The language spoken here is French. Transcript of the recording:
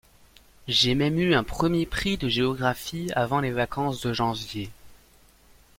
J’ai même eu un premier prix de géographie avant les vacances de janvier.